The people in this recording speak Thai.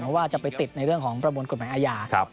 เพราะว่าจะไปติดในเรื่องของประมวลกฎหมายอาญา